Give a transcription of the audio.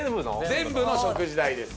全部の食事代です。